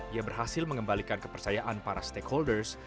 ia berhasil mengembalikan kepercayaan para stakeholders